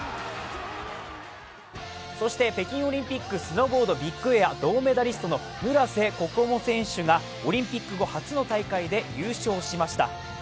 そして北京オリンピックスノーボードビッグエア銅メダリストの村瀬心椛選手がオリンピック後初の大会で優勝しました。